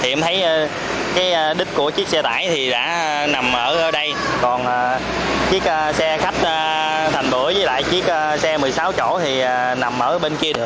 em thấy đích của chiếc xe tải đã nằm ở đây còn chiếc xe khách thành đuổi với chiếc xe một mươi sáu chỗ nằm ở bên kia